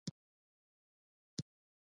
د حیض د زیاتوالي لپاره د څه شي پوستکی وکاروم؟